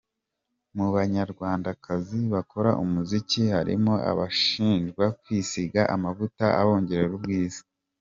Mu Banyarwandakazi bakora umuziki, harimo abashinjwa kwisiga amavuta abongerera ubwiza.